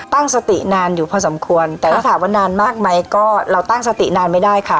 ตั้งสตินานอยู่พอสมควรแต่ถ้าถามว่านานมากไหมก็เราตั้งสตินานไม่ได้ค่ะ